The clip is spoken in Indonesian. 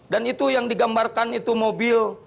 dan itu yang digambarkan itu mobil